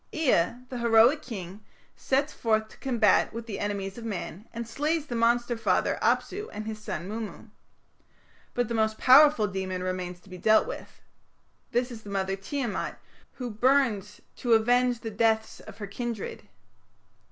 Ea, the heroic king, sets forth to combat with the enemies of man, and slays the monster father, Apsu, and his son, Mummu. But the most powerful demon remains to be dealt with. This is the mother Tiamat, who burns to avenge the deaths of her kindred.